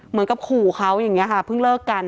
เหมือนกับขู่เขาอย่างนี้ค่ะเพิ่งเลิกกัน